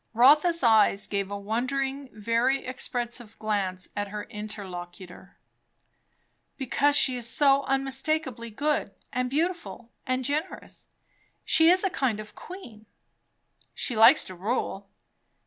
Rotha's eyes gave a wondering, very expressive, glance at her interlocutor. "Because she is so unspeakably good, and beautiful, and generous. She is a kind of a queen!" "She likes to rule."